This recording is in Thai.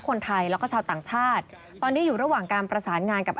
ก็ผมแววว่าเป็นอย่างงั้นนะครับ